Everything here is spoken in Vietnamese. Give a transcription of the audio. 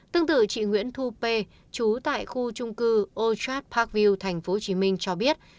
tương tự chị nguyễn thu pê chú tại khu trung cư old trat parkview tp hcm cho biết